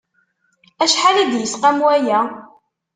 Acḥal i d-isqam waya?